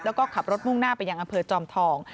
แล้วก็ขับรถมุ่งหน้าไปยังอำเภอจอมทอง